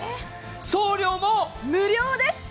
送料も無料です。